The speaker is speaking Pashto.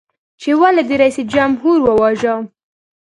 چې ولې دې جمهور رئیس وواژه؟